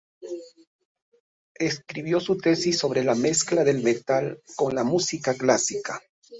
Escribió su tesis sobre la mezcla del metal con la música clásica.